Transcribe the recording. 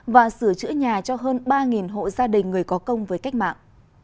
và sửa chữa nhà cho hơn ba hộ gia đình người có công với cách mạng